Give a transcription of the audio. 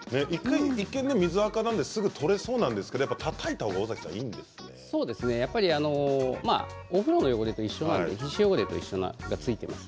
一見、水あかなのですぐ取れそうなんですがお風呂の汚れと一緒なので皮脂汚れが付いています。